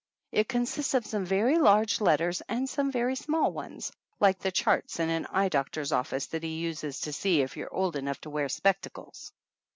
It consists of some very large letters and some very small ones, like the charts in an eye doctor's office that he uses to see if you're old enough to wear spectacles.